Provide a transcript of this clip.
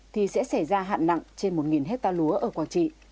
thì sẽ xảy ra hạn nặng trên một hectare lúa ở quảng trị